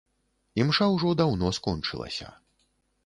Імша ўжо даўно скончылася.